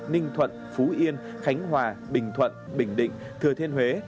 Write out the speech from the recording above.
ninh thuận phú yên khánh hòa bình thuận bình định thừa thiên huế